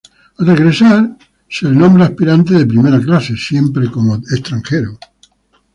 Al regresar, fue nombrado aspirante de primera clase, siempre como extranjero.